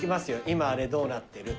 「今あれどうなってる？」